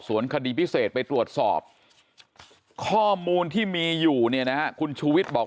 ส่วนคดีพิเศษไปตรวจสอบข้อมูลที่มีอยู่เนี่ยนะฮะคุณชูวิทย์บอก